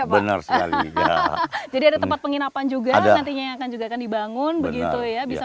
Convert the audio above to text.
hahaha jadi ada tempat penginapan juga nantinya yang akan juga akan dibangun begitu ya bisa